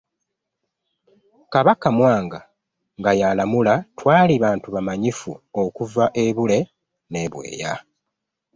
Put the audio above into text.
Kabaka Mwanga nga y'alamula, twali bantu bamanyifu okuva e Bule n'e Bweya